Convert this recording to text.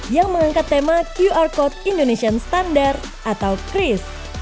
yang mengangkat tema qr code indonesian standard atau kris